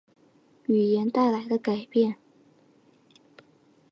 语音带来的改变